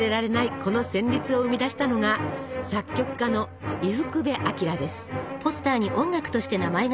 この旋律を生み出したのが作曲家の伊福部昭です。